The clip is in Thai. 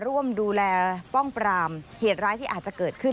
ร่วมดูแลป้องปรามเหตุร้ายที่อาจจะเกิดขึ้น